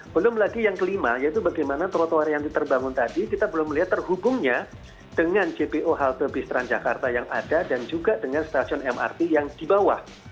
belum lagi yang kelima yaitu bagaimana trotoar yang diterbangun tadi kita belum melihat terhubungnya dengan jpo halte bus transjakarta yang ada dan juga dengan stasiun mrt yang di bawah